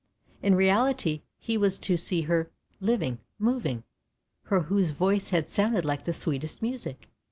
In reality he was to see her, living, moving, her whose voice had sounded like the sweetest music.